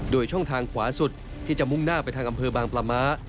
โดยช่องทางขวาสุดที่จะมุ่งหน้าไปทางอำเภอบางปลาม้า